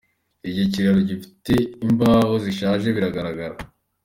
Iki kiraro gifite imbaho zishaje bigaragara.